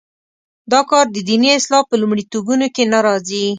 دا کار د دیني اصلاح په لومړیتوبونو کې نه راځي.